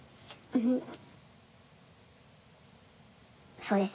そうですね。